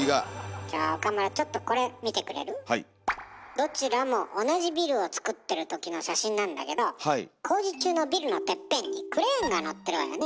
どちらも同じビルをつくってる時の写真なんだけど工事中のビルのテッペンにクレーンがのってるわよね？